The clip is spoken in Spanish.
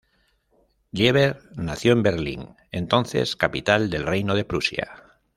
Lieber nació en Berlín, entonces capital del reino de Prusia.